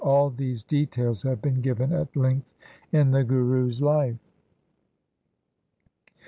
AH these details have been given at length in the Guru's life.